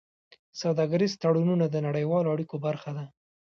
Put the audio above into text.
سوداګریز تړونونه د نړیوالو اړیکو برخه ده.